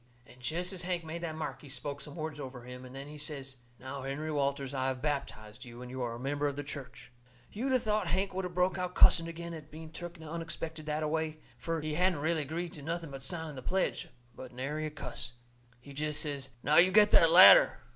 And jest as Hank made that mark he spoke some words over him, and then he says: "Now, Henry Walters, I have baptized you, and you are a member of the church." You'd a thought Hank would of broke out cussing agin at being took unexpected that a way, fur he hadn't really agreed to nothing but signing the pledge. But nary a cuss. He jest says: "Now, you get that ladder."